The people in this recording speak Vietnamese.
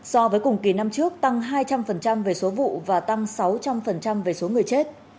so với cùng kỳ năm trước tăng hai trăm linh về số vụ và tăng sáu trăm linh về số người chết